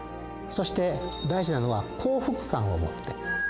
そして大事なのは幸福感を持って。